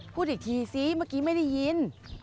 พูดอีกทีซิเมื่อกี้ไม่ได้ยิน